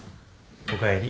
おかえり。